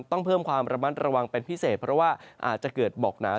ต้องเพิ่มความระมัดระวังเป็นพิเศษเพราะว่าอาจจะเกิดหมอกหนา